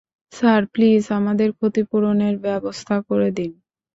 Sir, please আমাদের ক্ষতিপূরণের ব্যবস্থা করে দিন।